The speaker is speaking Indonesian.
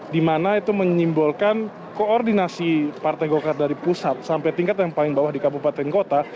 dimana itu menyimbolkan koordinasi partai golkar dari pusat sampai tingkat yang paling bawah di kabupaten kota